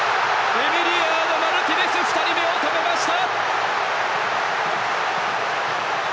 エミリアーノ・マルティネス２人目、止めました！